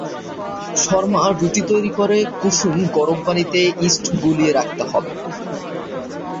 শর্মা রুটি তৈরি: কুসুম গরম পানিতে ইষ্ট গুলিয়ে রাখতে হবে।